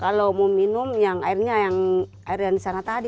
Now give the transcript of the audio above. kalau mau minum airnya yang di sana tadi